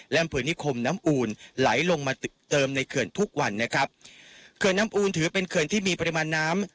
และอำเภอนิคมน้ำอูลไหลลงมาเติมในเขื่อนทุกวันนะครับเขื่อนน้ำอูลถือเป็นเขื่อนที่มีปริมาณน้ำ